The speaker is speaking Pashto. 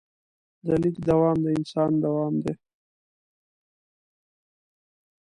د لیک دوام د انسان دوام دی.